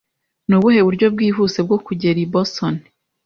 Nubuhe buryo bwihuse bwo kugera i Boston?